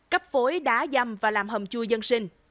cấp phối đá dâm và làm hầm chua dân sinh